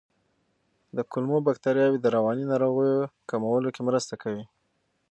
د کولمو بکتریاوې د رواني ناروغیو کمولو کې مرسته کوي.